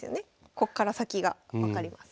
こっから先が分かります。